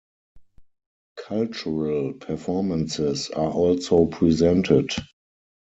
Cultural performances are also presented.